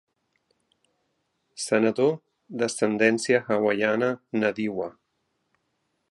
Senador d'ascendència hawaiana nadiua.